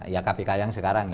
ya kpk yang sekarang